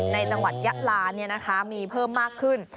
ในจังหวัดยะลามีเพิ่มมากขึ้น